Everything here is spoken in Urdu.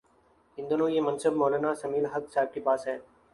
ان دنوں یہ منصب مو لانا سمیع الحق صاحب کے پاس ہے۔